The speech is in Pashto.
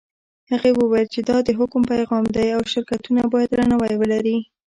هغه وویل چې دا د حکم پیغام دی او شرکتونه باید درناوی ولري.